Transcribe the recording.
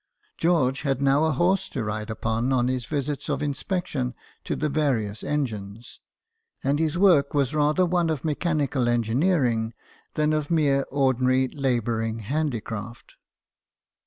George had now a horse to ride upon, on his visits of inspection to the various engines ; and his work was rather one of mechanical engineering than of mere ordinary labouring handicraft.